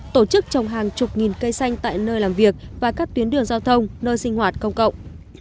tổ chức trồng hàng chục nghìn cây xanh tại nơi làm việc và các tuyến đường giao thông nơi sinh hoạt công cộng